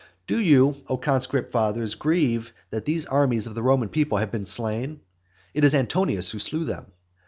Do you, O conscript fathers, grieve that these armies of the Roman people have been slain? It is Antonius who slew them.